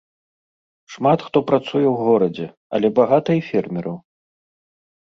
Шмат хто працуе ў горадзе, але багата і фермераў.